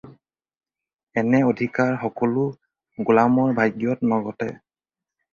এনে অধিকাৰ সকলো গোলামৰ ভাগ্যত নঘটে।